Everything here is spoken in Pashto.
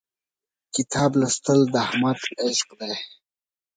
کتاب لوستل د احمد عشق دی.